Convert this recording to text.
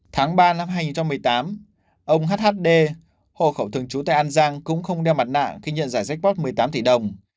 tháng ba năm hai nghìn một mươi tám ông hhd hồ khẩu thường trú tại an giang cũng không đeo mặt nạ khi nhận giải rác một mươi tám tỷ đồng